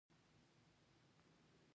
ازادي راډیو د طبیعي پېښې وضعیت انځور کړی.